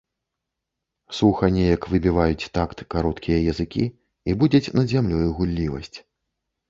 Суха неяк выбіваюць такт кароткія зыкі і будзяць над зямлёю гуллівасць.